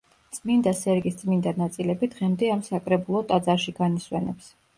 წმინდა სერგის წმინდა ნაწილები დღემდე ამ საკრებულო ტაძარში განისვენებს.